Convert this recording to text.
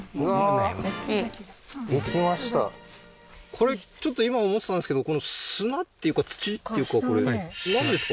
これちょっと今思ってたんですけどこの砂っていうか土っていうかなんですか？